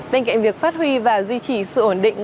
bên cạnh việc phát huy và duy trì sự ổn định